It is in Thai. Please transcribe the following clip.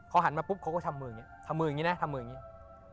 หันมาปุ๊บเขาก็ทำมืออย่างนี้ทำมืออย่างนี้นะทำมืออย่างนี้